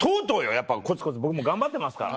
やっぱコツコツ僕も頑張ってますから。